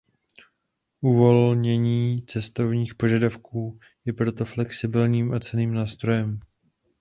Uvolnění cestovních požadavků je pro to flexibilním a cenným nástrojem.